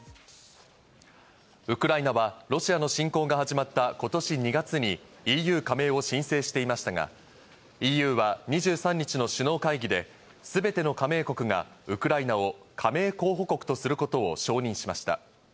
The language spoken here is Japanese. ウクライナはロシアの侵攻が始まった今年２月にＥＵ加盟を申請していましたが、ＥＵは２３日の首脳会議で全ての加盟国がウクライナを加盟候補国とすることを承認しました。